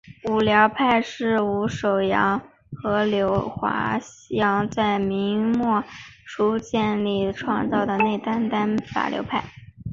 伍柳派是伍守阳和柳华阳在明末清初创立的内丹丹法流派。